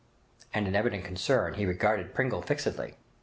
And in evident concern he regarded Pringle fixedly.